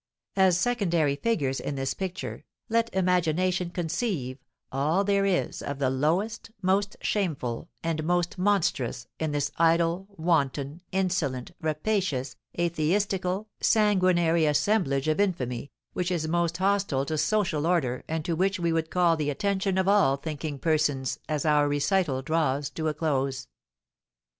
As secondary figures in this picture, let imagination conceive all there is of the lowest, most shameful, and most monstrous, in this idle, wanton, insolent, rapacious, atheistical, sanguinary assemblage of infamy, which is most hostile to social order, and to which we would call the attention of all thinking persons as our recital draws to a close.